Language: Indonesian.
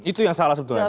itu yang salah sebetulnya